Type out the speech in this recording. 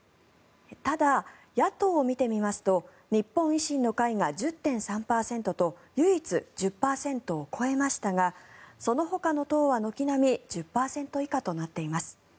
ただ、野党を見てみますと日本維新の会が１０．３％と唯一、１０％を超えましたがそのほかの党は軒並み１０％以下となっています。